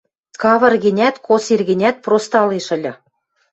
Кавыр гӹнят, косир гӹнят, проста ылеш ыльы.